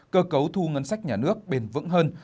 cơ cấu thu ngân sách nhà nước bền vững hơn